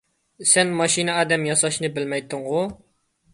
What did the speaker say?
سەن ماشىنا ئادەم ياساشنى بىلمەيتتىڭغۇ؟